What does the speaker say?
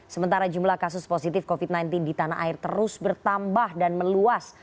sementara jumlah kasus positif covid sembilan belas di tanah air terus bertambah dan meluas